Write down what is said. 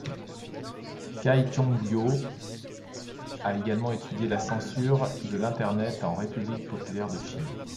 Cai Chongguo a également étudié la Censure de l'Internet en République populaire de Chine.